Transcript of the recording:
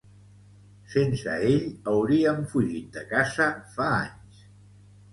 Sense ell hauríem fugit de casa fa anys.